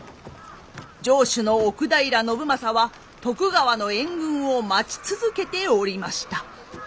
城主の奥平信昌は徳川の援軍を待ち続けておりました。